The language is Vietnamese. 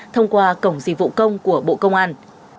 thông qua cổng dịch vụ công của bộ công an